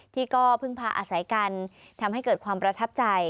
ที่ก็พึ่งพาอาศัยกันทำให้เกิดความประทับใจ